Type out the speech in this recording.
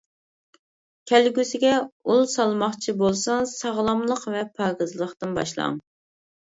كەلگۈسىگە ئۇل سالماقچى بولسىڭىز، ساغلاملىق ۋە پاكىزلىقتىن باشلاڭ.